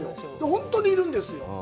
ほんとにいるんですよ